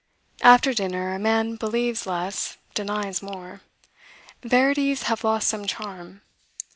After dinner, a man believes less, denies more; verities have lost some charm.